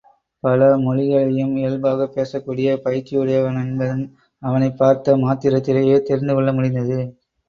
பல மொழிகளையும் இயல்பாகப் பேசக்கூடிய பயிற்சியுடையவனென்பதும் அவனைப் பார்த்த மாத்திரத்திலேயே தெரிந்து கொள்ள முடிந்தது.